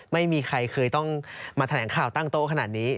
ไม่มีใครเคยต้องมาแถลงข่าวตั้งโต๊ะขนาดนี้